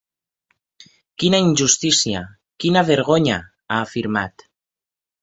Quina injustícia, quina vergonya!, ha afirmat.